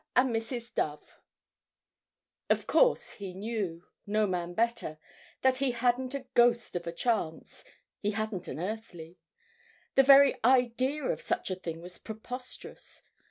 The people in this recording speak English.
and Mrs. Dove Of course he knew—no man better—that he hadn't a ghost of a chance, he hadn't an earthly. The very idea of such a thing was preposterous.